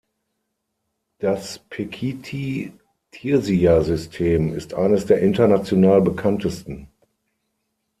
Das Pekiti-Tirsia-System ist eines der international bekanntesten.